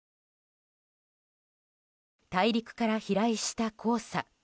大陸から飛来した黄砂。